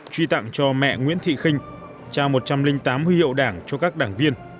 truy tặng cho mẹ nguyễn thị kinh trao một trăm linh tám huy hiệu đảng cho các đảng viên